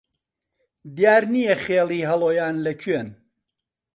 دیار نییە خێڵی هەڵۆیان لە کوێن